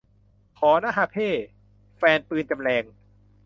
ขอนะฮะเพ่ แฟนปืนจำแลง